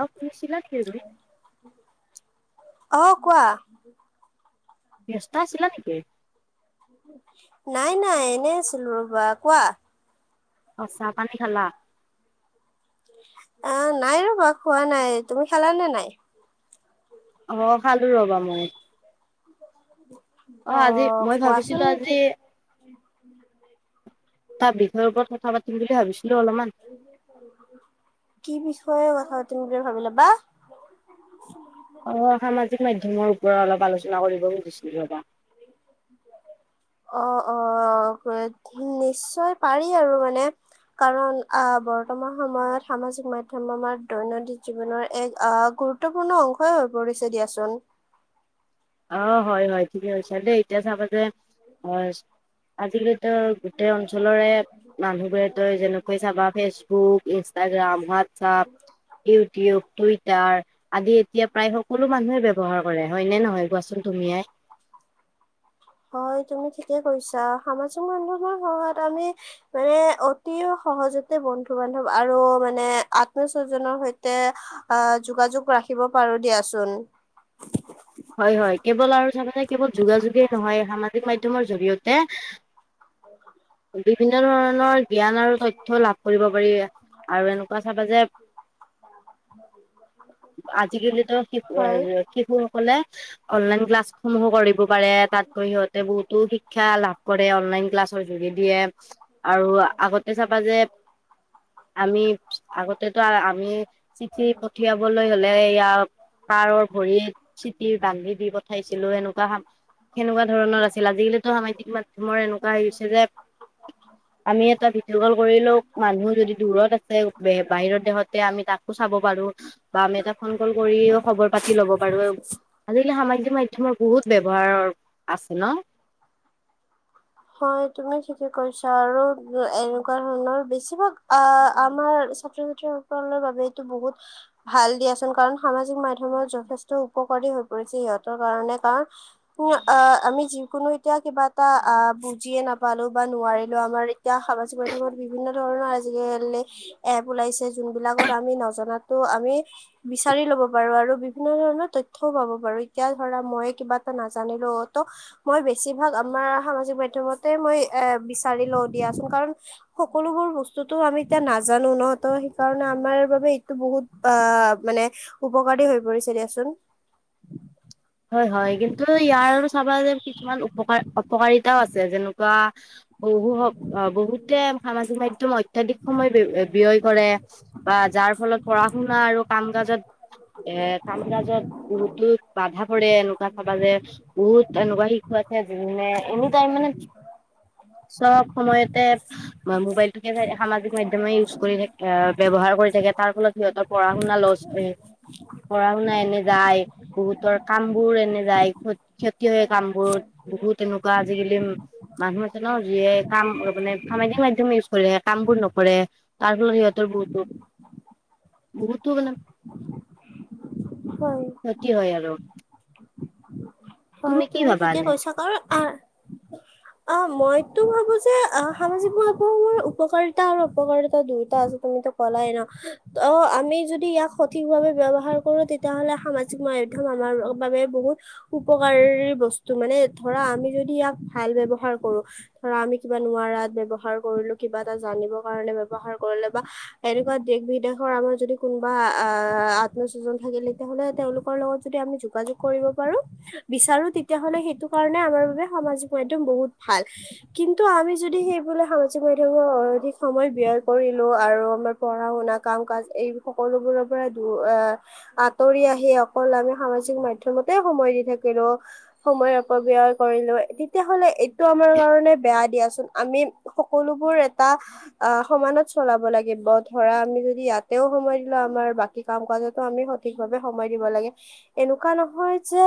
অ শুইছিলো নিকি অহ কোৱা ব্যস্ত আছিলা নিকি নাই নাই এনে আছিলো ৰবা কোৱা অ চাহ পানী খালা অ নাই ৰবা খোৱা নাই তুমি খালানে নাই অ খালো ৰবা মই অ আজি মই ভাবিছিলো আজি উওম [unintelligible] তাৰ বিষয়ৰ ওপৰত কথা পাতিম বুলি ভাবিছো কি বিষয় কথা তুমি বুলি ভাবি ল'বা অ এফালে টো মাধ্যমৰ ওপৰত অলপ আলোচনা কৰিব খুজিছিলো ৰবা অ অ নিশ্চয় পাৰি আৰু মানে কাৰণ আহ বৰ্তমান সময়ত সামাজিক মাধ্যম আমাৰ দৈনন্দিন জীৱনৰ এক আহ গুৰুত্বপূৰ্ণ অংশই হৈ পৰিছে দিয়াচোন অ হয় হয় ঠিকে কৈছা দেই এতিয়া চাব যে অ আজি তৰ গোটেই অঞ্চলৰে মানুহবোৰে তই যেনেকৈ চাবা Facebook Instagram WhatsApp YouTube Twitter আদি এতিয়া প্ৰায় সকলো মানুহে ব্যৱহাৰ কৰে হয় নে নহয় কোৱাচোন তুমিয়ে হয় তুমি ঠিকেই কৈছা সামাজিক মাধ্যমৰ সহায়ত আমি মানে অতি সহজতে বন্ধু বান্ধব আৰু মানে আত্মস্বজনৰ সৈতে অহ যোগাযোগ ৰাখিব পাৰো দিয়াচোন হয় হয় কেৱল আৰু চাবা নে কেৱল যোগাযোগেই নহয় সামাজিক মাধ্যমৰ জৰিয়তে এ বিভিন্ন ধৰণৰ জ্ঞান আৰু তথ্য লাভ কৰিব পাৰি আৰু এনুকা চাবা যে আজিকালিতো শিশু হয় এ শিশু অনলাইন ক্লাছ সমূহো কৰিব পাৰে তাতকৈ সিহঁতে বহুতো শিক্ষা লাভ কৰে অনলাইন ক্লাছ যোগে দিয়ে আৰু আগতে চাবা যে আমি আগতেতো আমি চিঠি পঠিয়াবলৈ হ'লে এয়া পাৰৰ ভৰিত চিতিৰ বান্ধি দি পঠাইছিলো এনেকুৱা সেনেকুৱা ধৰণৰ আছিল আজিকালিতো সামাজিক মাধ্যমৰ এনো কোৱা আহিছে যে আমি এটা ভিডিঅ' কল কৰি লও মানুহ যদি দূৰত আছে বাহিৰত দেশতে আমি তাকো চাব পাৰো বা আমি এটা ফোন কল কৰিও খবৰ পাতি লব পাৰো আজিকালি সামাজিক মাধ্যমৰ বহুত ব্যৱহাৰ আছে ন। হয় তুমি ঠিকে কৈছা আৰু এনেকুৱা ধৰণৰ বেছিভাগ আহ আমাৰ ছাত্ৰ-ছাত্ৰী সকলৰ বাবে এইটো বহুত ভাল দিয়াচোন কাৰণ সামাজিক মাধ্যমত যথেষ্ট উপকাৰী হৈ পৰিছে সিহতৰ কাৰণে কাৰণ আহ আমি যিকোনো এতিয়া কিবা এটা আহ বুজিয়ে নাপালো বা নোৱাৰিলো আমাৰ এতিয়া সামাজিক মাধ্যমত বিভিন্ন ধৰণৰ আজিকালি এপ ওলাইছে যোনবিলাকত আমি নজনাটো আমি বিচাৰি লব পাৰো আৰু বিভিন্ন ধৰণৰ তথ্যও পাব পাৰো এতিয়া ধৰা মই কিবা এটা নাজানিলো তো মই বেছিভাগ আমাৰ সামাজিক মাধ [unintelligible] মই এ বিচাৰি লও দিয়াচোন কাৰণ সকলোবোৰ বস্তুটো আমি এতিয়া নাজানো নহ ত' সেইকাৰণে আমাৰ বাবে এইটো বহুত আহ মানে উপকাৰী হৈ পৰিছে দিয়াচোন হয়, হয়, কিন্তু ইয়াৰ চাবা যে কিছুমান উপকাৰ অপকাৰিতাও আছে আছে যেনেকুৱা বহু হক আ বহুতে সামাজিক মাধ্যম অত্যাধিক সময় ব্যয় কৰে। বা যাৰ ফলত পঢ়া-শুনা আৰু কাম কাজত এ কামকাজত বহুতো বাধা [unintelligible] এনেকুৱা চাবা যে বহুত এনেকুৱা শিশু আছে জোনে এনিটাইম মানে চব সময়তে মোবাইল [unintelligible] সামাজিক মাধ্যমে ইউজ কৰি থ [unintelligible] ব্যৱহাৰ কৰি থাকে তাৰ ফলত সিহঁতৰ পঢ়া শুনা লছ [unintelligible] পঢ়া শুনা এনে যায় বহুতৰ কাম বোৰ এনে যায় ক্ষতি হয় কাম বোৰ বহুত এনেকুৱা আজিকালি মানুহ আছে ন যিয়ে কাম মানে সামাজিক মাধ্যম ইউজ কৰে কাম বোৰ নকৰে তাৰ ফলত সিহঁতৰ বহুতো বহুতো মানে হয় ক্ষতি হয় আৰু। হয় কি তুমি ভাবা ঠিকে এনে কৈছা, কাৰণ [unintelligible] অ, মইতো ভাবো যে আহ সামাজিক মাধ্যমৰ উপকাৰিতা আৰু উপকাৰিতা দুয়োটা আছে তুমিতো কলাই ন ত' আমি যদি ইয়াক সঠিকভাৱে ব্যৱহাৰ কৰো তেতিয়াহলে সামাজিক মাধ্যম আমাৰ বাবে বহুত উপকাৰী বস্তু মানে, ধৰা আমি যদি ইয়াক ভাল ব্যৱহাৰ কৰোঁ। ধৰা আমি কিবা নোৱাৰাত ব্যৱহাৰ কৰিলো, কিবা এটা জানিবৰ কাৰণে ব্যৱহাৰ কৰিলো, বা এনেকুৱা দেশ-বিদেশৰ আমাৰ যদি কোনোবা আহ আত্মীয়স্বজন থাকে তেতিয়াহ'লে তেওঁলোকৰ লগত যদি আমি যোগাযোগ কৰিব পাৰোঁ। বিচাৰো তেতিয়াহলে সেইটো কাৰণে আমাৰ বাবে সামাজিক মাধ্যম বহুত ভাল, কিন্তু আমি যদি সেইবুলি সামাজিক মাধ্যমত অধিক সময় ব্যয় কৰিলো আৰু আমাৰ পঢ়া শুনা কাম কাজ এই সকলোবোৰৰ পৰা দূ আ, আঁতৰি আহি অকল আমি সামাজিক মাধ্যমতে সময় দি থাকিলো, সময় অপব্যয় কৰিলোঁ। তেতিয়াহলে এইটো আমাৰ কাৰণে বেয়া দিয়াচোন আমি সকলোবোৰ এটা আহ সমানত চলাব লাগিব। ধৰা আমি যদি ইয়াতেও সময় দিলোঁ, আমাৰ বাকী কাম-কাজতো আমি সঠিক ভাৱে সময় দিব লাগে। এনেকুৱা নহয় যে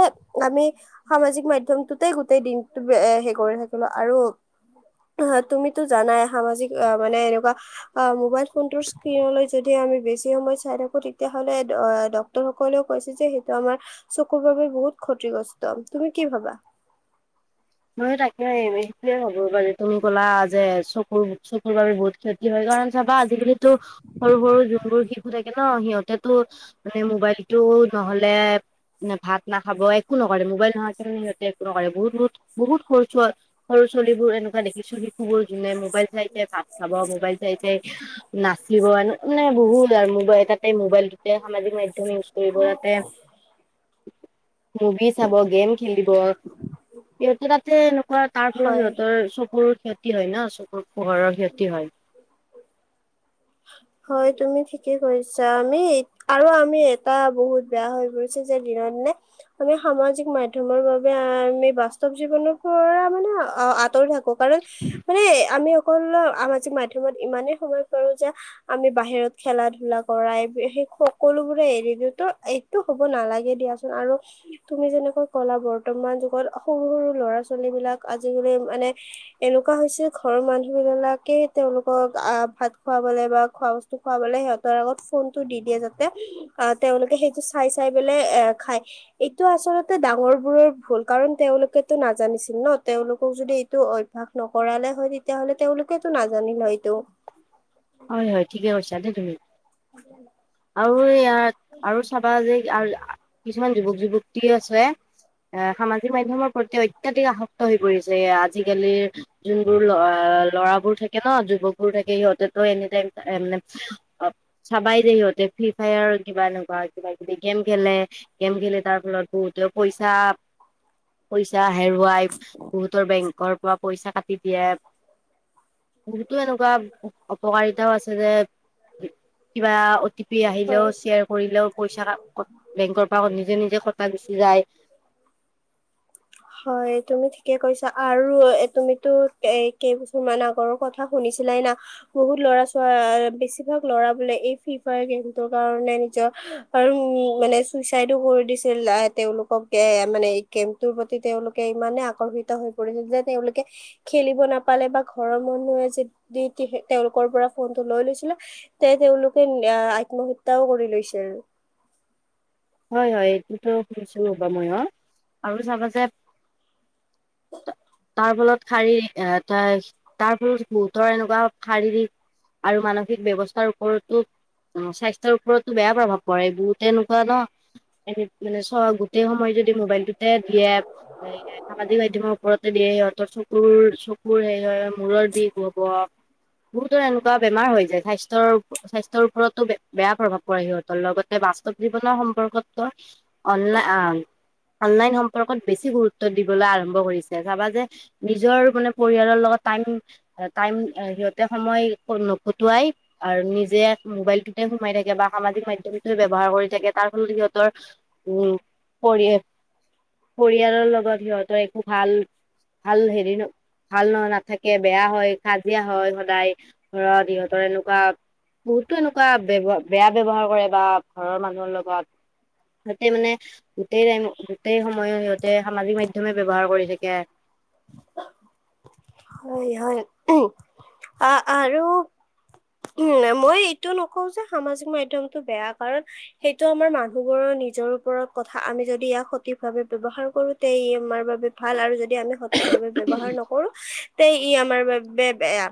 আমি সামাজিক মাধ্যমটোতে গোটেই দিনটো হে কৰি থাকিলোঁ, আৰু আহ তুমিতো জানাই, সামাজিক আহ মানে এনেকুৱা আ মোবাইল ফোনটোৰ স্ক্ৰীনলৈ যদি আমি বেছি সময় চাই থাকোঁ। তেতিয়া হলে ডক্তৰ সকলেও কৈছে যে সেইটো আমাৰ চকুৰ বাবে বহুত ক্ষতিগ্ৰস্ত। তুমি কি ভাবা? ময়ো তাকে সেইটোৱে ভাবো। হ'ব পাৰে তুমি ক'লা যে চকুৰ চকুৰ বাবে বহুত ক্ষতি কি হয় কাৰণ চাবা আজিকালিতো সৰু-সৰু যোনবোৰ শিশু থাকে। কে ন, সিহঁতেতো মানে মোবাইলটো নহ'লে ভাত নাখাব, একো নকৰে। মোবাইল নোহোৱাকে মানে সিহঁতে একো নকৰে বহুত বহুত বহুত সৰু ছোৱা সৰু ছোৱালীবোৰ এনেকুৱা দেখিছোঁ। শিশুবোৰ যোনে মবাইল চাই-চাই ভাত খাব, মোবাইল চাই-চাই নাচিব আৰু মানে বহুত আৰু মবাইল তাতে মোবাইলটোতে সামাজিক মাধ্যম ইউজ কৰিব। তাতে মুভি চাব, গেম খেলিব। সিহঁতে তাতে এনেকুৱা তাৰ ফলত হয় সিহঁতৰ চকুৰ ক্ষত কি হয় ন চকুৰ? পোহৰৰ ক্ষতি হয়। হয় তুমি ঠিকে কৈছা, আমি আৰু আমি এটা বহুত বেয়া হৈ পৰিছে যে দিনৰ-দিনে আমি সামাজিক মাধ্যমৰ বাবে আমি বাস্তৱ জীৱনৰ পৰা মানে আঁতৰি থাকোঁ। কাৰণ মানে আমি, সকলৰ আমাজিক মাধ্যমত ইমানে সোমাই পৰো যে, আমি বাহিৰত খেলা ধূলা কৰাই সেই সকলোবোৰে এৰি দিওঁতো এইটো হব নালাগে দিয়াচোন আৰু তুমি যেনেকৈ কলা বৰ্তমান যুগত সৰু সৰু ল'ৰা ছোৱালী বিলাক আজিকালি মানে এনেকুৱা হৈছে ঘৰৰ মানুহ বিলাকে তেওঁলোকক আ ভাত খোৱাবলে, খ বস্তু খ সিহতৰত ফোনটো দি দিয়ে যাতে তেওঁলোকে সেইটো চাই চাইলে খাই এইটো আচলতে ডাঙৰ বোৰৰ ভুল কাৰণ তেলোকটো নাজানিছিল ন তেলোকক যদি এইটো অভ্য়াস নকৰালে হয় তেতিয়াাহলে তেওঁলোকটো নাজানিল সটো হয় হয় ঠিকে কৰিছা দেই তুমি হ আৰু এ ইাত আৰু চাবা যে আৰু কিছুমান যুৱক যুৱতী আছে এ সামাজিক মাধ্যমৰ প্ৰতি অত্যাধিক আসক্ত হৈ পৰিছে আজিকালিৰ যোনবোৰ ল ল'ৰাবোৰ থাকে ন যুৱকবোৰ থাকে সিহঁতে ত এনিতাইমানে অ' চাবাই দ সিহঁতে ফ্ৰ্ৰী ফায়াৰ কিবা এনেকুৱা কিবা কিবি গেম খেলে গেম খি তাৰ ফলত বহুতে পইচা পইচা হেৰুৱাই বহুতৰ বেংকৰ পৰা পইচা কা, তেতিয়া, সতো এনেকুৱা, উপকাৰিতাও আছে যে কিবা অটি পি আহিলেও হয়। শ্বেয়াৰ কৰিলেও পইচা বেংকৰ পৰা নিজে নিজে কটা গুচি যায় হয় তুমি ঠিকে কৈছা আৰু এ তুমিতো এ কেইবছৰ মান আগৰৰ কথা শুনিছিলাই না বহুত লৰা ছ বেছিভাগ ল'ৰা বোলে এই ফ্ৰী ফায়াৰ গেমটোৰ কাৰণে নিজৰ উ মানে চুইচাইদো কৰি দিছিল তেওঁলোকক এ মানে গেমটোৰ প্ৰতি তেওঁলোকে ইমানে আকৰ্ষিত হৈ পৰিছিল যে তেওঁলোকে খেলিব নাপালে বা ঘৰৰ মানুহে যদি তেওঁলোকৰ পৰা ফোনটো লৈ লৈছিলে তে তেওঁলোকে আত্মহত্যাও কৰি লৈছিল হয় হয় এইটোতো শুনিছো ৰ'বা মই অ আৰু চাবা যে, তাৰ ফলত শাৰীৰিক এ তাৰ ফলত বহুতৰ এনেকুৱা শাৰীৰিক আৰু মানসিক ব্যৱস্থাৰ ওপৰতো স্বাস্থ ওপৰতো বেয়া প্ৰভাৱ পৰে বহুত এনেকুৱা ন মানে চ গোটেই সময় যদি মোবাইলটোতে দিয়ে সামাজিক মাধ্য়মৰ ওপৰতে দিয়ে সিহঁতৰ চকুৰ চকুৰ সে হয় মূৰৰ বিষ হব বহুতৰ এনেকুৱা বেমাৰ হৈ যায় স্বাস্থ্য়ৰ স্বাস্থ্যৰ ওপৰতো বেয়া প্ৰভাৱ পৰে সিহঁতৰ লগতে বাস্তৱ জীৱনৰ সম্পৰ্ক, গত অলাই অ' অনলাইন সম্পৰ্কত বেছি গুৰুত্ব দিবলৈ আৰম্ভ কৰিছে চাবা যে নিজৰ মানে পৰিয়ালৰ লগত টাইম টাইম সিহঁতে সময় নখুটোৱাই আৰু নিজে মোবাইলটোতে সোমাই থাকে বা সামাজিক মাধ্মটো ব্যৱহাৰ কৰি থাকে তাৰ সিহঁতৰ উম পৰিয় পৰিয়ালৰ লগত সিহঁতৰ একো ভাল ভাল হেৰি ন ভাল ন নাথাকে বেয়া হয় কাজিয়া হয় সদায় ঘৰত সিহঁতৰ এনেকুৱা বহুতো এনেকুৱা বয়ৱ বেয়া ব্যৱহাৰ কৰে বা ঘৰৰ মানুহৰ লগত সিহতে মানে গোটেই টাইমত গোটেই সময় সিহঁতে সামাজিক মাধ্যমে ব্যৱহাৰ কৰি থাকে হয় হয় আৰু উ মই এইটো নকওঁ যে সামাজিক মাধ্য়মটো বেয়া কাৰণ সেইটো আমাৰ মানুহবোৰৰ নিজৰ ওপৰত কথা আমি যদি ইয়াক সঠিক ভাৱে্ৱহাৰ কৰোতে ই আমাৰ বাবে ভাল আৰু যদি আমি সঠিক ভাৱে ব্ৱহাৰ নকৰো তে ই আমাৰ বাবে বেয়া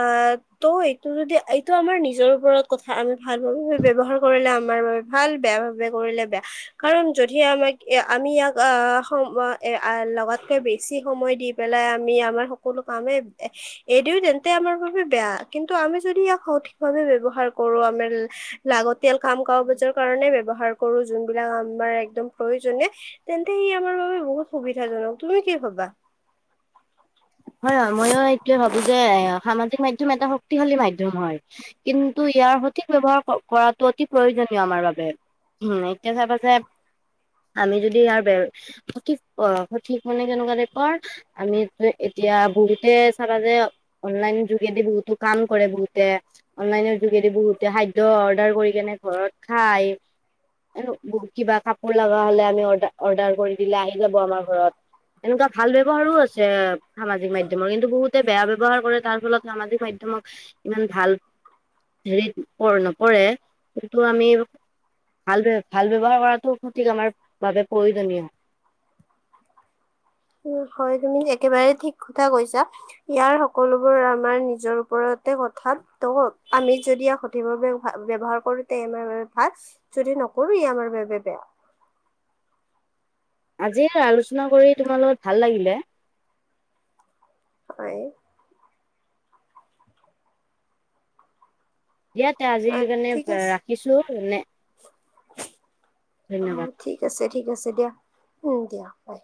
আহ ত' এইটো যদি এইটো আমাৰ নিজৰ ওপৰত কথা আমি ভাল ব্য্ৱহাৰ কৰিলে আমাৰ বাবে ভাল বেয়া ভাবেে কৰিলে বেয়া কাৰণ যদি আমাক আমি ইয়াক আহ সম লগাতকে বেছি সময় দি পেলাই আমি আমাৰ সকলো কামে এইদ তেন্তে আমাৰ বাবে বেয়া কিন্তু আমি যদি ইয়াক সঠিক ভাৱে ব্য়ৱহাৰ কৰো আমাৰ লাগতিয়াল কাম কাগ বাজৰ কাৰণে ব্যৱহাৰ কৰো যোনবিলাক আমাৰ একদম প্ৰয়োজনীয় তেন্তে ই আমাৰ বাবে বহুত সুবিধাজনক তুমি কি ভাবা হয় হয় ময়ো এইটোয়ে ভাবো যে সামাজিক মাধ্যম ম এটা শক্তিশালী মাধ্য়ম হয় কিন্তু ইয়াৰ সঠিক ব্যৱহাৰ কৰাটো অতি প্ৰয়োজনীয় আমাৰ বাবে এতিয়া চাইা যে আমি যদি ইয়াৰ ব সঠিক সঠিক মানে কেনেকুৱা দে কৰ আমি এতিয়া বহুতে চাবা যে অনলাইনৰ যোগেদি বহুতো কাম কৰে বহুতে অনলাইনৰ যোগেদি বহুতে খাদ্য অৰ্ডাৰ কৰি কেনে ঘৰত খাই বহুত কিবা কাপোৰ লগা হলে আমি অৰ্ড অৰ্ডাৰ কৰি দিলে আহি যাব আমাৰ ঘৰত এনেকুৱা ভাল ব্যৱহাৰো আছে সামাজিক মাধ্যমৰ কিন্তু বহুতে বেয়া ব্য্য়ৱহাৰ কৰে তাৰ ফলত সামাজিক মাধ্যমক ইমান ভাল হেৰিত নপৰে কিন্ত আমি ভাল ভাল ব্যাৱহাৰ কৰাটো সঠিক আমাৰ বাবে প্ৰয়োজনীয় হয় তুমি একেবাৰে ঠিক কথা কৈছা ইয়াৰ সকলোবোৰ আমাৰ নিজৰ ওপৰতে কথা আমি যদি সঠিকভাৱে ব্যৱহাৰ কৰো তাই আমাৰ বাবে ভাল যদি নকৰো ই আমাৰ বাবে বেয়া আজি আলোচনা কৰি তোমাৰ লগত ভাল লাগিলে হয়। দিয়া তে অ, আজিল কাৰণে ঠিক আছে। ৰাখিছো মে [unintelligible] [unintelligible] [unintelligible] অ, ঠিক আছে। ঠিক আছে দিয়া। উম, দিয়া বাই।